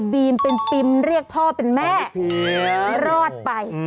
บีมเป็นปิมเรียกพ่อเป็นแม่รอดไป